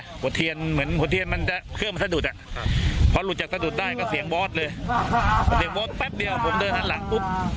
หัวเทียนมันจะเคลื่อนมาใส่สะดุดอะพอหลุดจากสะดุดได้ก็เสียงบ๊อตเสียงบ๊อตแปปเดียวผมเดินทางหลังปุ๊บ